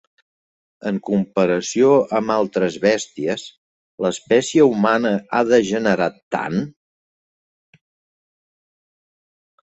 En comparació amb altres bèsties, l'espècie humana ha degenerat tant!